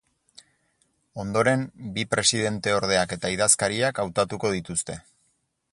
Ondoren, bi presidenteordeak eta idazkariak hautatuko dituzte.